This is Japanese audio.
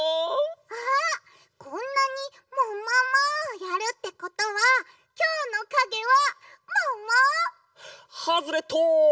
あっこんなに「ももも！」をやるってことはきょうのかげはもも？ハズレット！